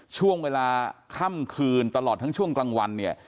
ช่วงเวลาค่ำคืนตลอดทั้งช่วงกลางวันเนี่ย